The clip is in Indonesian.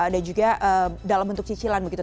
dan juga dalam bentuk cicilan begitu